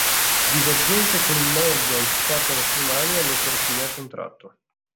Divergenze con il management portano Fiumani a mettere fine al contratto.